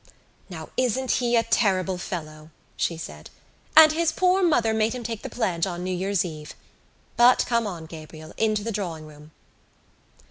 "Now, isn't he a terrible fellow!" she said. "And his poor mother made him take the pledge on New Year's Eve. But come on, Gabriel, into the drawing room."